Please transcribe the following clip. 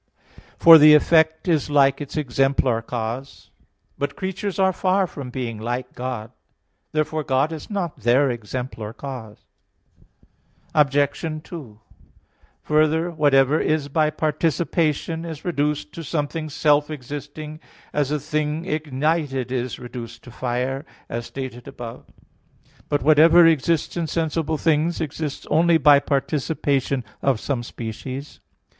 For the effect is like its exemplar cause. But creatures are far from being like God. Therefore God is not their exemplar cause. Obj. 2: Further, whatever is by participation is reduced to something self existing, as a thing ignited is reduced to fire, as stated above (A. 1). But whatever exists in sensible things exists only by participation of some species.